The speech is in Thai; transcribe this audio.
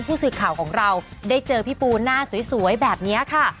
ผู้สื่อข่าวของเราได้เจอพี่ปูหน้าสวยแบบนี้ค่ะ